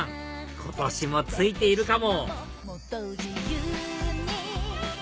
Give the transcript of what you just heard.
今年もツイているかも！